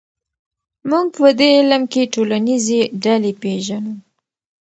موږ په دې علم کې ټولنیزې ډلې پېژنو.